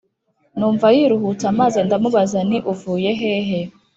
Numva yiruhutsa maze ndamubaza nti uvuye hehe